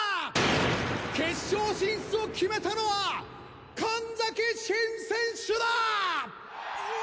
決勝進出を決めたのは神崎シン選手だ！